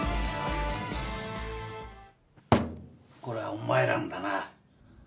これはお前らんだな？